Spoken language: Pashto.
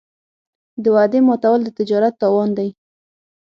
د وعدې ماتول د تجارت تاوان دی.